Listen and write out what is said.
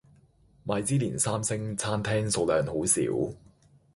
米芝蓮三星餐廳數量好少